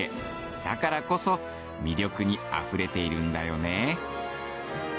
だからこそ魅力に溢れているんだよね。